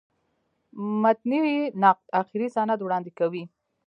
متني نقد آخري سند وړاندي کوي.